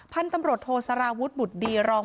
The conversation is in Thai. พันธุ์ตำรวจโทสารวุฒิบุตรดีรอง